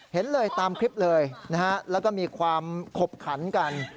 เห็นเลยตามคลิปเลยนะฮะแล้วก็มีความขบขันกัน